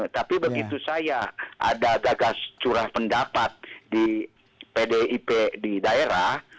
tapi begitu saya ada gagas curah pendapat di pdip di daerah